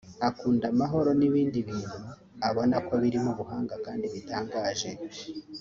akunda amahoro n’ibindi bintu abona ko birimo ubuhanga kandi bitangaje